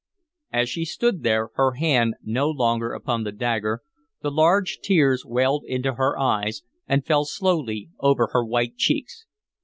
As she stood there, her hand no longer upon the dagger, the large tears welled into her eyes and fell slowly over her white cheeks.